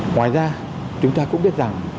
ngoài ra chúng ta cũng biết rằng